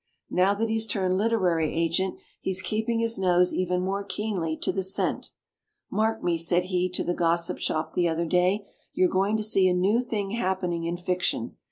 Now THE GOSSIP SHOP 95 that he's turned literary agent he's keeping his nose even more keenly to the scent. ''Mark me", said he to the Grossip Shop the other day, you're going to see a new thing happening in fiction.